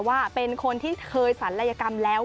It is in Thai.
ว่าเป็นคนที่เคยศัลยกรรมแล้ว